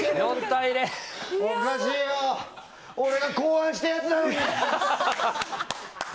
おかしいよ俺が考案したやつなのに。